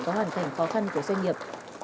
có hoàn cảnh khó khăn của doanh nghiệp